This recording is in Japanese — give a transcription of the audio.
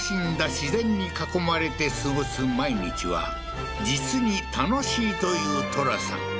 自然に囲まれて過ごす毎日は実に楽しいというトラさん